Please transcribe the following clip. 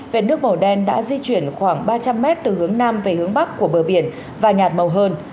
vệt nước màu đen đã di chuyển khoảng ba trăm linh m từ hướng nam về hướng bắc của bờ biển và nhạt màu hơn